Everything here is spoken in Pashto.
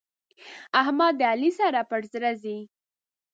احمد د علي سره پر زړه ځي.